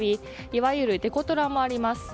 いわゆるデコトラもあります。